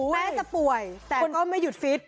แม้จะป่วยแต่ก็ไม่หยุดฟิต